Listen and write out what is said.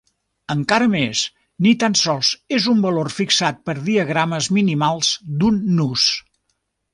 Encara més, ni tan sols és un valor fixat per diagrames minimals d'un nus.